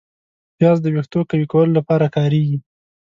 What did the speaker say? پیاز د ویښتو قوي کولو لپاره کارېږي